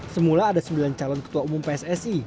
semula ada sembilan calon ketua umum pssi